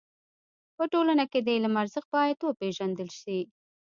په ټولنه کي د علم ارزښت بايد و پيژندل سي.